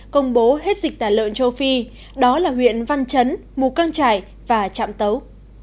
công bố hết dịch tả lợn châu phi đó là huyện văn chấn mù căng trải và trạm tấu